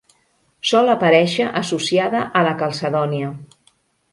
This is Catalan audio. Sol aparèixer associada a la calcedònia.